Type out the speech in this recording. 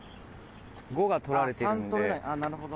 ５が取られてるんで。